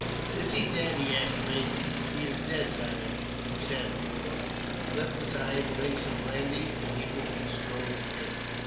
"Is he dead?" he asked faintly. "He is dead, Sahib," Hossein replied. "Let the Sahib drink some brandy, and he will be strong again."